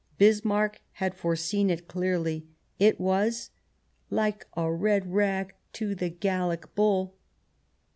Bis marck had foreseen it clearly ; it " was like a red rag to the Gallic bull."